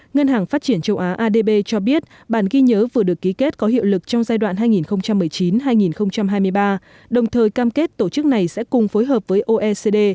ngân hàng phát triển châu á adb cho biết bản ghi nhớ vừa được ký kết có hiệu lực trong giai đoạn hai nghìn một mươi chín hai nghìn hai mươi ba đồng thời cam kết tổ chức này sẽ cùng phối hợp với oecd